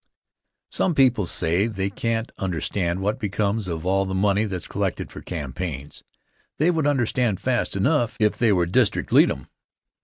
Some people say they can't understand what becomes of all the money that's collected for campaigns. They would understand fast enough if they were district lead em.